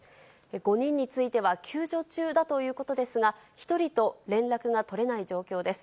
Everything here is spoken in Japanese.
５人については救助中だということですが、１人と連絡が取れない状況です。